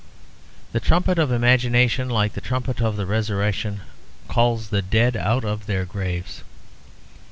The trumpet of imagination, like the trumpet of the Resurrection, calls the dead out of their graves.